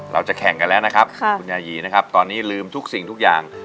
เราจะแข่งกันแล้วนะครับคุณยายีนะครับตอนนี้ลืมทุกสิ่งทุกอย่าง